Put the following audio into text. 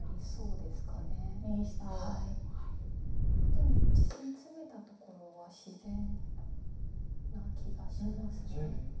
でも実戦ツメたところは自然な気がします。